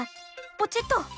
ポチッと。